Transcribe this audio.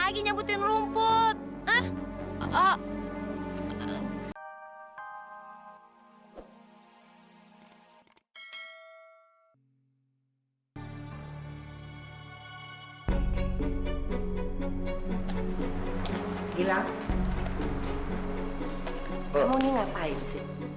kamu ini ngapain sih